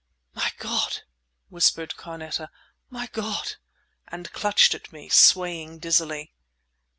"My God!" whispered Carneta—"my God!"—and clutched at me, swaying dizzily.